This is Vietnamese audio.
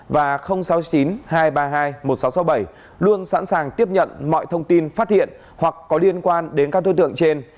sáu mươi chín hai trăm ba mươi bốn năm nghìn tám trăm sáu mươi và sáu mươi chín hai trăm ba mươi hai một nghìn sáu trăm sáu mươi bảy luôn sẵn sàng tiếp nhận mọi thông tin phát hiện hoặc có liên quan đến các đối tượng trên